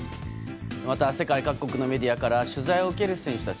また世界各国のメディアから取材を受ける選手たち。